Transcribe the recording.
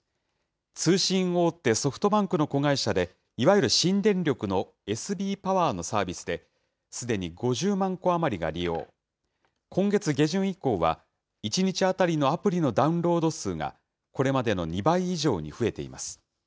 通信大手、ソフトバンクの子会社で、いわゆる新電力のＳＢパワーのサービスで、すでに５０万戸余りが今月下旬以降は、１日当たりのアプリのダウンロード数が、これまでの２倍以上に増えています。